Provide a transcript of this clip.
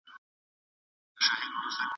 د ناروغۍ لومړنۍ نښې کانګې او کم اشتها دي.